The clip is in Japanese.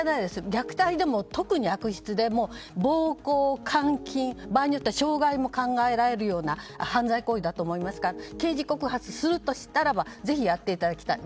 虐待でも特に悪質で暴行、監禁場合によっては傷害も考えられるような犯罪行為だと思いますから刑事告発するとしたらぜひやっていただきたい。